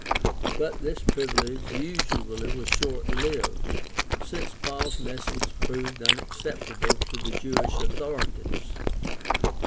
But this privilege usually was short lived, since Paul's message proved unacceptable to the Jewish authorities.